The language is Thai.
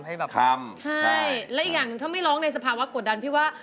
และอีกอย่างถ้าไม่ร้องในสภาวะกดดันพี่ว่า